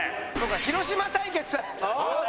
広島対決。